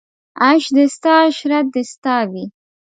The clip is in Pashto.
عیش دې ستا عشرت دې ستا وي